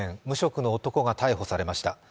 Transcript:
無職の男が逮捕されました。